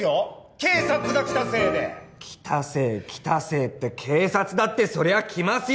警察が来たせいで来たせい来たせいって警察だってそりゃ来ますよ